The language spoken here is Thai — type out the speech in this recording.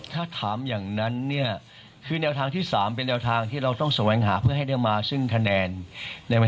ถ้าถามอย่างนั้นคือแนวทางที่๓เป็นแนวทางที่เราต้องส่งแวงหาเพื่อให้มาซึ่งคะแนนแนวที่๒๗